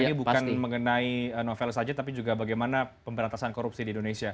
karena ini bukan mengenai novel saja tapi juga bagaimana pemberantasan korupsi di indonesia